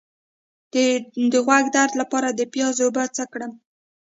د غوږ درد لپاره د پیاز اوبه څه کړم؟